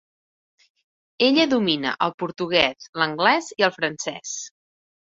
Ella domina el portuguès, l'anglès i el francès.